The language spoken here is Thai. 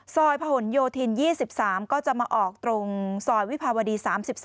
พะหนโยธิน๒๓ก็จะมาออกตรงซอยวิภาวดี๓๒